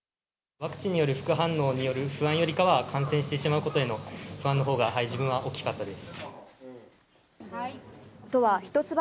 ワクチンによる副反応による不安よりかは、感染してしまうことへの不安のほうが自分は大きかったです。